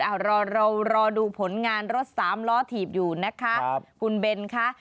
เรารอดูผลงานรถ๓ล้อถีบอยู่นะครับคุณเบนค่ะ